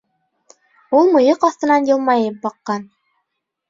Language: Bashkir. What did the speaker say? Ул мыйыҡ аҫтынан йылмайып баҡҡан.